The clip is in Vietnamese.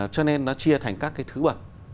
cho nên nó chia thành các thứ bậc